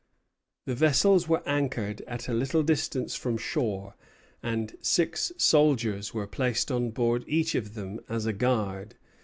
The vessels were anchored at a little distance from shore, and six soldiers were placed on board each of them as a guard.